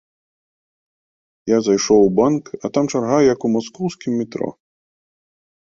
Я зайшоў у банк, а там чарга, як у маскоўскім метро.